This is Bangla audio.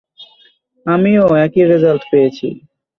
আমিও একই রেজাল্ট পেয়েছি।